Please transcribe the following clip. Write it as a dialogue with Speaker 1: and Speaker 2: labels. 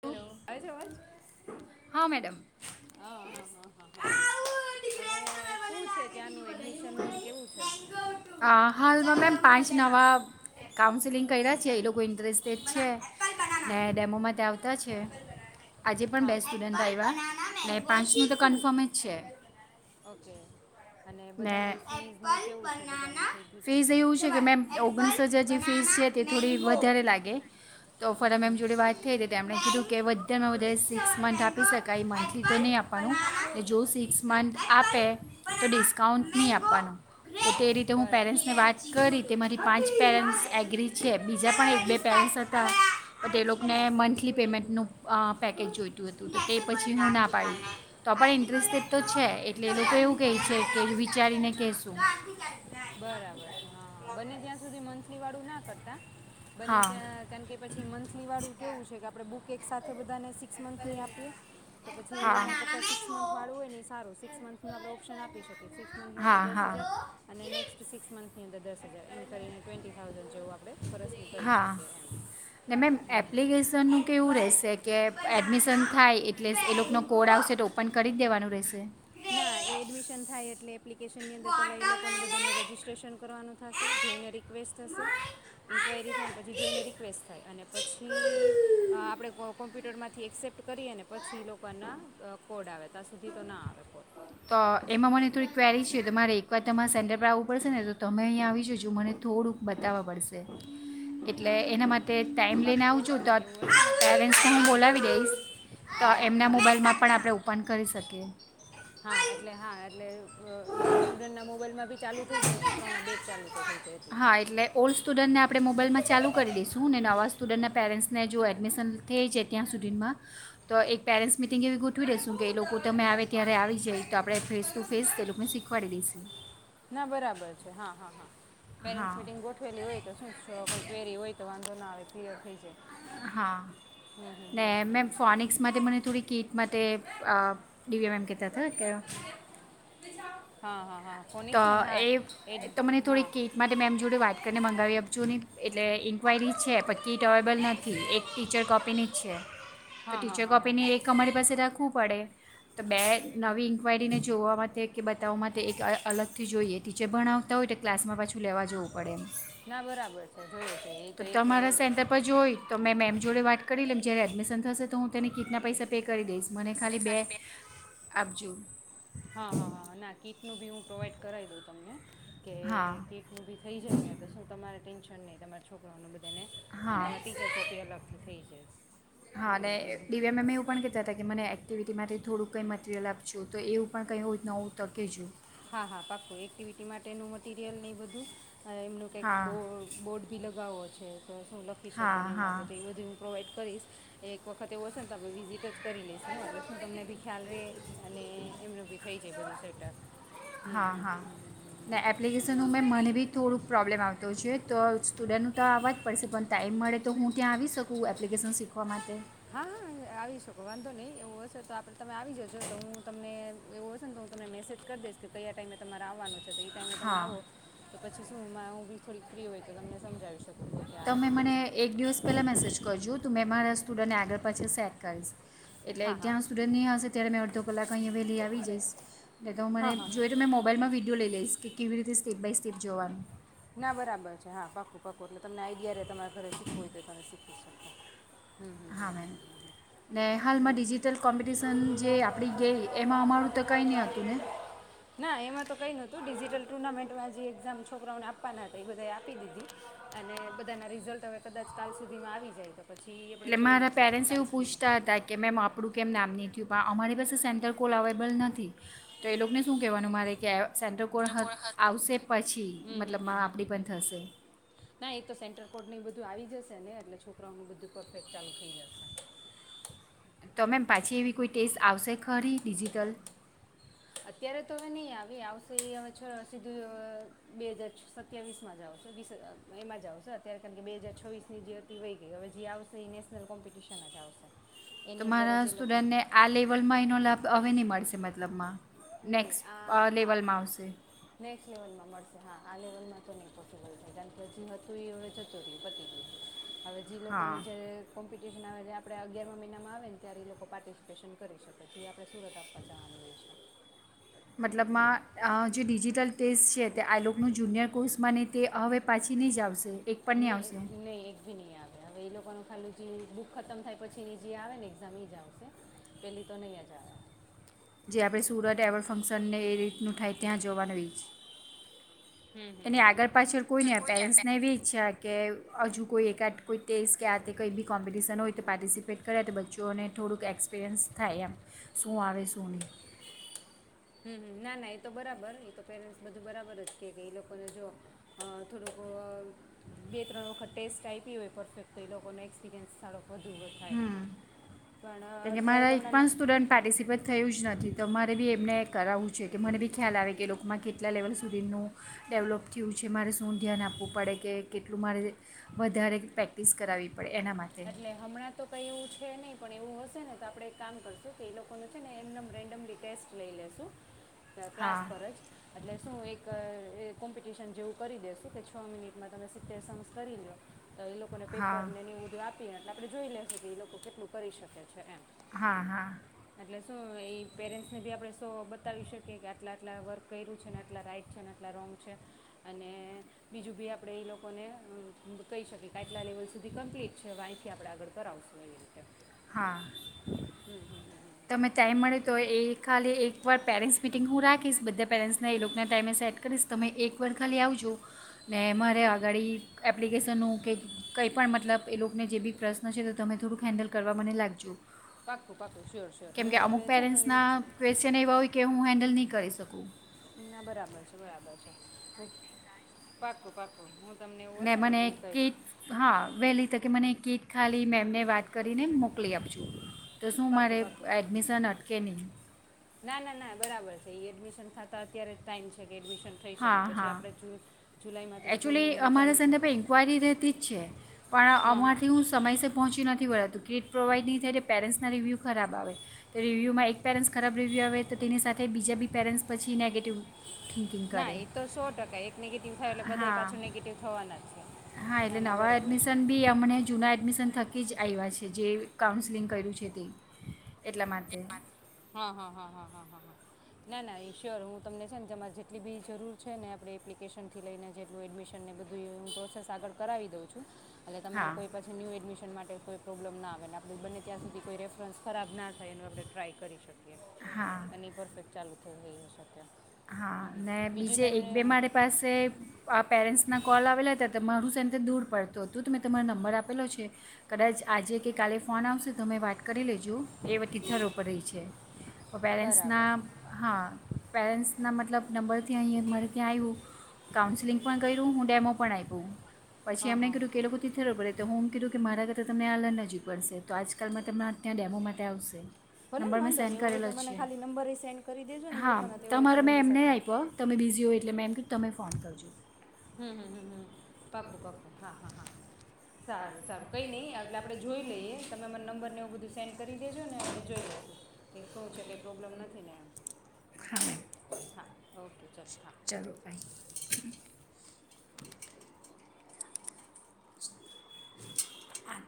Speaker 1: Hello [unintelligible] હ હા
Speaker 2: હા મેડમ
Speaker 1: હા હા હા હવે શું છે, ત્યાંનું એડમિશનનું કેવું છે.
Speaker 2: અ, હાલમાં મેમ પાંચ નવા કાઉન્સેલિંગ કર્યા છે, એ લોકો ઇન્ટરેસ્ટેડ છે, ડેમોમાં ત્યાં [unintelligible] છે. આજે પણ
Speaker 1: હા
Speaker 2: બેસ્ટ સ્ટુડન્ટ આવ્યા. એ પાંચ નું તો કન્ફર્મ જ છે.
Speaker 1: ઓકે અને બધાની ફીઝનું કેવું છે બધાનું થઈ ગયું છે
Speaker 2: ફીસ એવું.
Speaker 1: નથી
Speaker 2: છે કે મે ઓગણીસ હજાર જે. ફીસ છે, તે થોડી વધારે લાગે. તો
Speaker 1: હમ હમ
Speaker 2: ફરામેમ જોડે વાત થઈ હતી તો તેમણે કીધું. કે વધારેમાં વધારે સિક્સ મંથ આપી શકાય મંથલી તો નહીં આપવાનું જો સિક્સ મંથ આપે તો ડિસ કાઉન્ટ નહીં આપવાનો તો તે રીતે હું
Speaker 1: બરાબર
Speaker 2: પેરેન્ટ્સને વાત કરી તે મારી પાંચ [unintelligible] એગ્રી છે, બીજા પણ એક બે [unintelligible] હતા. તે લોકોને મંથલી પેમેન્ટનું. પેકેજ જોઈતું હતું તો તે પછી હું ના પાડું તો પણ ઇન્ટરેસ્ટેડ તો છે, એટલે એ લોકો એવું કહે છે. તેલ વિચારીને કહેશું.
Speaker 1: બરાબર હ બંને ત્યાં સુધી મંથલી વાળું ના કરતા. બને
Speaker 2: હા
Speaker 1: ત્યાં કારણ કે પછી મંથલી વાળું કેવું છે, કે આપડે બુક એક સાથે બધાને સિક્સ મંથની આપીએ તો પછી
Speaker 2: હા.
Speaker 1: એના કરતાં સિક્સ મંથ વાળું હોય એ સારું સિક્સ મંથનું આપણે ઓપ્શન આપી શકીએ સિક્સ મંથની અંદર
Speaker 2: હા,
Speaker 1: દસ
Speaker 2: હા.
Speaker 1: હજાર. ને નેક્સ્ટ સિક્સ મંથની અંદર દસ હજાર એમ કરીને ટ્વેન્ટી થાઉઝન્ડ. જેવું આપણે ફરસની કરી શકીએ એમ
Speaker 2: હા મેમ એપ્લિકેશન નું કેવું રેશે? એટલે કે એડમિશન થાય એટલે એ લોકોનો કોડ આવશે તો ઓપન કરી જ દેવાનું રહેશે.
Speaker 1: ના એ એડમિશન થાય એટલે એપ્લિકેશનની અંદર પહેલા એ લોકોને બધાનું રજીસ્ટ્રેશન કરવાનું થશે જોઈને રિક્વેસ્ટ. થશે ઇન્ક્વાયરી થાય ને પછી જોઈને રિક્વેસ્ટ થાય અને પછી આપણે કો કોમ્પ્યુટરમાંથી એક્સેપ્ટ કરીએ ને પછી એ લોકોના કોડ આવે ત્યાં સુધી તો ના આવે. કોડ
Speaker 2: તો એમાં મને થોડી ક્વેરી છે, તો મારે એકવાર તમારે સેન્ટલ પર આવવું પડશે ને તો તમે અહીંયા આવી જજો મને થોડુંક બતાવવા પડશે. એટલે
Speaker 1: હા હા
Speaker 2: એના
Speaker 1: હા હા
Speaker 2: માટે ટાઈમ લઈને
Speaker 1: પાક્કું
Speaker 2: [unintelligible] તો
Speaker 1: પાક્કું એવું હશે ને તો એક
Speaker 2: [unintelligible]
Speaker 1: વખત
Speaker 2: હું
Speaker 1: વિઝિટ
Speaker 2: બોલાવી
Speaker 1: કરી
Speaker 2: દઈશ
Speaker 1: જઈશ
Speaker 2: તો
Speaker 1: અને
Speaker 2: એમના
Speaker 1: અ,
Speaker 2: મોબાઈલમાં પણ આપણે ઓપન કરી શકીએ.
Speaker 1: હા એટલે હા એટલે અ સ્ટુડન્ટના મોબાઈલમાં બી ચાલુ થઈ જાય ને છોકરાઓના બેજ ચાલુ તો થઈ જાય.
Speaker 2: હા એટલે ઓલ્ડ સ્ટુડન્ટને આપણે મોબાઈલમાં. ચાલુ કરી દઈશું ને નવા સ્ટુડન્ટના પેરેન્ટ્સને જો એડમિશન થઈ છે, ત્યાં સુધીમાં તો એક [unintelligible] મિટિંગ એવી ગોઠવી દઈશું કે એ લોકો તમે આવે ત્યારે આવી જાય તો આપણે ફેસ ટુ ફેસ એ લોકોને શીખવાડી દઈશું.
Speaker 1: ના બરાબર છે, હા, હા, હા.
Speaker 2: હા
Speaker 1: પેરેન્ટસ મીટિંગ ગોઠવેલી હોય તો શું કોઈ કવેરી હોય તો વાંધો હા એ ક્લિયર થઈ જાય.
Speaker 2: હા ને મેમ ફોનિક્સ માટે મને થોડી કીટ માટે અ દિવ્યા મેમ કેતા. કે
Speaker 1: હા હા હા ફોનિક્સ
Speaker 2: તો
Speaker 1: ને ને હા
Speaker 2: એ
Speaker 1: એ
Speaker 2: તો મને
Speaker 1: હા
Speaker 2: થોડીક કેક માટે મેમ જોડે વાત કરીને મંગાવી આપજો એટલે ઇન્કવાયરી છે પણ કીટ અવેલેબલ નથી એક ટીચર કોપીની જ છે. તો
Speaker 1: હા હા
Speaker 2: ટીચર
Speaker 1: હા હા
Speaker 2: કોપીની એક અમારી પાસે રાખવું પડે. તો બે નવી ઇન્ક્વાયરીને જોવા માટે કે બતાવવા માટે એક અલગથી જોઈએ ટીચર ભણાવતા હોય તો ક્લાસમાં પાછું લેવા જવું પડે
Speaker 1: ના બરાબર છે જોઈએ છે એ
Speaker 2: તો
Speaker 1: એક
Speaker 2: તમારા સેન્ટર પર જોય તો મે મેમ જોડે વાત કરી લેમ જ્યારે એડમિશન થશે તો હું તેને કીટ પૈસા પે કરી દઈશ. મને- ખાલી બે આપજો
Speaker 1: હા, હા, હા હા ના કીટ નું બી હું પ્રોવાઈડ કરાવી દઉં તમને. કે
Speaker 2: હા
Speaker 1: કીટ નું ભી થઈ જાય ને તો શું તમારે ટેન્શ નઈ તમારા છોકરાઓને બ
Speaker 2: હા
Speaker 1: થઈ જાય
Speaker 2: હા ને
Speaker 1: હમ હમ હમ
Speaker 2: ડીવમ અમે એવું પણ કેતા હતા કે મને કેવીટી માટેથી થોડું કંઈ મટરિયલ આપજો તો એવું પણ કંઈ નવું તો કેજો.
Speaker 1: હા હા પાકું એક્ટિવિટી માટેનું મટીરિયલ નહી બધું હ એમનું કંઈક
Speaker 2: હા
Speaker 1: બો બોર્ડ બી લગાવો છે. તો શું લખી
Speaker 2: હા
Speaker 1: શકેને એ
Speaker 2: હા
Speaker 1: માટે તો એ બધી હું પ્રોવાઈડ કરીશ એક વખત એવ હશે ને તો તમે વિઝિટ જ કરી લઈેશું એટલે શું તમને બી ખ્યાલ રહે અને એમનો બી થઈ જ સેટ.
Speaker 2: હા હા ને એપ્લિકેશન હું મેં મને બી થોડુંક પ્રોબ્લેમ આવતો હો છે તો સ્ટુડન્ટનું તો આવવા જ પડશે પણ ટાઈમ મળે તો હું ત્યાં આવી શકું એપ્લિકેશન શીખવા માટે.
Speaker 1: હા હા આવી શકો વાંધો નહી એવો હશે તો આપડે તમે આવી જજો તો હું તમને એવું હશે ને તો હું તમને મેસેજ કરી દઈશ કે કયા ટાઈમે તમારે આવવાનું. તો ઈ ટાઈમે તમે
Speaker 2: હા
Speaker 1: આવો તો પ છી એશું એમાં બી થોડીક ફ્રી હોય તો તમને સમજાવીશ.
Speaker 2: તમેં મને એક દિવસ પહેલાં મેસેજ કરજો તું મેં મારા સ્ટુડન્ટને આગળ પાછળ સેક કરીશ. એટલે
Speaker 1: હા હા
Speaker 2: ત્યાં સ્ટુડન્ટ ની હશે ત્યારે મે કલાક અહીંયા વહેલી આવી જઈશ એટલે હું
Speaker 1: હા
Speaker 2: મને
Speaker 1: હા
Speaker 2: જોઈએ
Speaker 1: હા.
Speaker 2: તો મેં મોબાઈલમાં વિડી વિડયો લઈ લઈશ કેવી રીતે સ્ટેપ બાય સ્ટેપ જોવાનું
Speaker 1: ના બરાબર છે હા પાક્કું પાકું એટલે તમને આઈડિયા તમારા ઘરે શીખવું હોય તો તમે શીખી શકાય
Speaker 2: હા મેમ ને હાલમાં ડિજિટલ કોમ્પિટિશન જે આપણી ગઈ એમાં અમારું તો કાંઈ નહી હતું ને
Speaker 1: ના એમાં તો કંઈ નહોતું ડિજિટલ ટુર્નામેન્ટમાં જે એક્ઝામ છોકરા ના આપે આપવાના હતા એ બધાએ આપી દીધી અને બધાના રિઝલ્ટ હવે કદાચ કાલ સુધીમાં આવી જાય તો પછી આપણે
Speaker 2: એટલે
Speaker 1: જોઈ
Speaker 2: મારા
Speaker 1: લેશું કે
Speaker 2: પેરેન્ટ્સ
Speaker 1: કાલ
Speaker 2: એવું
Speaker 1: સુધીમાં
Speaker 2: પૂછતા હતા કે મેમ આપણું કેમ ના આપૂય અમારી પાસે સેન્ટર કોલ અવેલેબલ નથી તો એ લોકોને શું કહેવાનું મારે કે સેન્ટ્રોકોણ આવશે પછી
Speaker 1: હમ હમ
Speaker 2: મતલબ
Speaker 1: હમ હમ
Speaker 2: આપણી પણ થશે
Speaker 1: ના એ તો સેન્ટર કોડ ને એ બધું આવી જશે ને એટલે છોકરાઓનું બધું પરફેક્ટ ચાલુ થઈ જશે
Speaker 2: તો મેમ પાછી એવી કોઈ ટેસ્ટ આવશે ખરી ડિજિટલ
Speaker 1: અત્યારે તો હવે નહી આવી આવશે એ હવે સીધું બે હજર સત્યાવીસ માં જ આવશે એમાં જ આવશે અત્યારે કારણ કે બે હાજર છોવીસ ની જે હતી વય ગઈ હવે જે આવશે એ નેશનલ કોમ્પિટિશન જ આવશે એની અંદર
Speaker 2: તોરા
Speaker 1: જ એ લોકો
Speaker 2: સ્ટુડન્ટને આ લેવલમાં એનો લાભ હવે નહી મળે અ મતલબમાં
Speaker 1: નહીં
Speaker 2: નેક્સ્ટ
Speaker 1: આ હા
Speaker 2: લેવલમાં આવશે
Speaker 1: નેક્સ્ટ લેવલમાં મળશે હા આ લેવલમાં તો નહીં પોસિબલ થાય કારણ કે હજી હતું એ હવે જતું રહ પતિ ગયું હવે જે લોકોને
Speaker 2: હા
Speaker 1: જ્યારે કોમ્પિટિશન આવે એટલે આપણે અગિયારમા મહિનામાં આવે ને ત્યારે એ લોકો પાર્ટિસિપેશન કરી શકે જે આપણે સુરત આપવા જવાની હોય છે
Speaker 2: મતલબમાં જે ડિજીિટલ ટે છે તે આ લો ન જુનિયર કોર્સમાં તે હવે પાછી નહી જ આવશે એક પણ
Speaker 1: ન
Speaker 2: નહીં આવશે
Speaker 1: નહી એક ભી નહી આવે હવે એ લોકોનું ખાલીું જે બુક ખતમ થાય પછીની જે આવે ને એક્ઝામ એ જ આવશે પેલી તો નહીં જ જ આવે
Speaker 2: જે આપણે સુરત એવોર્ડ ફંક્શનને એ રીતનું થાય ત્યાં જોવાનું છે એની આગળ પાછળ કોઈ
Speaker 1: તો
Speaker 2: ન
Speaker 1: કોઈને
Speaker 2: પેરેન્ટ્સ
Speaker 1: આપે
Speaker 2: ને એવી ઈચ્છ કે હજુ કોઈ એકાદ કોઈ તેઇસ કે આ તે કંઈ બી કોમ્પિટિશન હોય તો પાર્ટિસિપેટ કરે તો બચ્ચોને થોડુંક એક્સપિરિયન્સ થાય એમ શું આવે શું નહીં
Speaker 1: હમ ના ના એ તો બરાબર એ તો પેરેન્ટ્સ બધું બરાબર જ કે એ લોકોને જો થોડોક બે ત્રણ વખત ટેસ્ટ આપી હોય પરફેક્ટ તો એ લોકોનો એક્સપિરિયન્સ સારો વધુ થાય
Speaker 2: હમ
Speaker 1: પણ
Speaker 2: કે
Speaker 1: અ,
Speaker 2: કે
Speaker 1: અત્યારે
Speaker 2: મારા
Speaker 1: તો
Speaker 2: એક
Speaker 1: હમણાં
Speaker 2: પણ
Speaker 1: ન-
Speaker 2: સ્ટુડન્ટ પાર્ટિસિપેટ થયું જ નથી તો મારે બી એમને કરાવવું છે કે મને બી ખ્યાલ આવે કે લોકોમાં કેટલા લેવલ સુધીનું ડેવલોપ થયું છે મારે શું ધ્યાન આપવું પડે કે કેટલું મારે વધારે પ્રેક્ટિસ કરાવવી પડે એના માટે
Speaker 1: એટલે હમણાં તો કંઈ એવું છે નહીં પણ એવું હશે ને તો આપણે એક કામ કરશું કે એ લોકોનું છે ને એમનેમ રેન્ડમલી ટેસ્ટ લઈ લેશું
Speaker 2: હા
Speaker 1: ક્લાસ પર જ એટલે શું એક એ કોમ્પિટિશન જેવું કરી દેસું કે છ મિનિટમાં તમે સિત્તેર સોંગસ કરી લો તો એ લોકો ને
Speaker 2: હા
Speaker 1: પેપર ને ને વધધું આપે એટલે આપે જોઈ લેશું કે લોકો કેટલું કરી શકે છે એમ
Speaker 2: હા હા
Speaker 1: એટલે તો એ પેરેન્ટ્સને બી આપણે શો બતાવી શકીએ કે આટલા આટલા વર્ક કર્યું છે ને આટલા રાઈટ છે ને આટલા રોંગ છે અને બીજું બી આપણે ઈ લોકોને કહી શકીએ કે આટલા લેવલ સુધી કમ્પ્લીટ છે અવે આયથી આપણે આગળ કરાવશું એવી રીતે.
Speaker 2: હા તમે ટાઈમ મળે તોય એ ખાલી એકવાર પેરેન્ટ્સ મિટિંગ હું રાખીશ બધા પેરેન્ટ્સને એ લોકોન ટાઈમે સેટ કરીશ તમે એકવાર ખાલી આવજો ને મારે આગાડી એપ્લિકેશનોનું કે કંઈ પણ મતલબ એ લોકોને જે બી પ્રશ્ન છે તો તમે થોડુંક હેન્ડલ કરવા મને લાગજો.
Speaker 1: પાકું પાકું.
Speaker 2: કેમ કે અમુક પેરેન્ટ્સના ક્વેસ્ચન એવા હોય કે હું હેન્ડલ નહીં કરી શકું.
Speaker 1: ના બરાબર છે બરાબર છે પાકું પાકું.
Speaker 2: ને મને કેય હા વહેલી તકે મને કેક ખાલી મેમને વાત કરીને મોકલી આપશું તો શું
Speaker 1: પાક્કું
Speaker 2: મારે
Speaker 1: પાક્કું
Speaker 2: એડમિશન અટકે નહીં.
Speaker 1: થાતા અત્યારે ટાઈમ છે. એડમિશન થઈ શકે પછી આપણે જૂ જુલા
Speaker 2: એક્ચુલી અમારા સંદર્ભે ઇન્ક્વાયરી રહેતી જ છે પણ
Speaker 1: હા હા
Speaker 2: અમારથી હું સમયસર પહોંચી નથ નથી વળાતું કિટ પ્રોવાઈડ નહીં થાય તો પેરેન્ટ્સના રિવ્યૂ ખરાબ આવે તો રિવ્યૂમાં એક પેરેન્ટ્સ ખરાબ રિવ્યુ આવે તો તેની સાથે બીજા બી પેરેન્ટ્સ પછી નેગેટિવ થિંકિંગ
Speaker 1: ના
Speaker 2: કરે
Speaker 1: એ તો સો ટકા એક નેગેટિવ થાય એટલે
Speaker 2: હા
Speaker 1: બધાએ પાછો નેગેટિવ થવાના જ. છે
Speaker 2: હા
Speaker 1: ના
Speaker 2: એટલે
Speaker 1: ના
Speaker 2: નવા
Speaker 1: બરાબર છે
Speaker 2: એડમિશન બી અમને જૂના એડમિશન થત કી જ આવ્યા છે જે કાઉન્સલિંગ કર્યું છે તે એટલા માટે.
Speaker 1: હ હ હ હ હ ના ના શ્યોર ઈ હું તમને છે ને તમાર જેટલી બી જરૂર છે ને આપડે એપ્લિકેશનથી લઈને જેટલું એડમિશન બધુંય હું પ્રોસેસ આગળ કરાવી દઉં છું એટલે તમને
Speaker 2: હા
Speaker 1: કોઈ પછી ન્યૂ એડમિસન માટે કોઈ પ્રોબ્લમ ના આવે અને આપણે બંને ત્યાં સુધી કોઈ રેફરન્સ ખરાબ ના થાય એનું આપણે ટ્રાય કરી શકે
Speaker 2: હા
Speaker 1: અને ઈ પરફેક્ટ ચાલુ [unintelligible] હોય શકે
Speaker 2: હા
Speaker 1: હમ, હમ.
Speaker 2: ને
Speaker 1: બીજું
Speaker 2: બીજે એક
Speaker 1: તમે
Speaker 2: બે મારી પાસે આ પેરેન્ટ્સના કોલ આવેલા હતા તો મારું સે દૂર પડતું હતું તો મેં તમારો નંબર આપેલો છે કદાચ આજે કે કાલે ફોન આવશે તમે વાત કરી લેજ જો એ વતી [unintelligible] છે પર પેરેન્ટ્સના
Speaker 1: બરાબર
Speaker 2: હા પેરેન્ટ્સ ના મતલબ નંબરથી અહીં મારે ત્યાં આયવુ કાઉન્સેલિંગ પણ કર્યું હું ડેમો પણ આયપુ. પછી
Speaker 1: હા
Speaker 2: અમને
Speaker 1: હા
Speaker 2: કીધુ કે એ લોકો તીથલ ઉપર રેય તો હું કીધું કે મારા કરતાં તમને આલા નજીક પડશે તો આજકાલમાં તમણા ત્યાં ડેમો માટે આવશે.
Speaker 1: ભલે ને
Speaker 2: નંબર મેં
Speaker 1: વાંધો
Speaker 2: સેન્ડ
Speaker 1: નહીં એવું હોય
Speaker 2: કરેલો
Speaker 1: તો
Speaker 2: જ
Speaker 1: મને
Speaker 2: છે
Speaker 1: ખાલી નંબર સેન્ડ કરી દેજોને ઈ
Speaker 2: હા
Speaker 1: લોકોને હાથે હું તો
Speaker 2: તમારો
Speaker 1: હું
Speaker 2: મેં
Speaker 1: એમની સાથે
Speaker 2: એમનેય આપયો તમે બીઝી હોય એટલે મે એમ તમે ફોન કરજો.
Speaker 1: હહહહ પાકું પાકું હા હા હા. સારું ચાલો કંઈ નહી એટલે આપડે જોઈ લઈએ તમે મરા નંબરને એવું બધું સેન્ડ કરી દેજો ને આપડે જોઈ લેશુ. શું છે કંઈ પ્રોબ્લેમ નથી ને એમ
Speaker 2: ખણ
Speaker 1: હા ઓકે ચલો હા
Speaker 2: ચલો બાઈ. આન.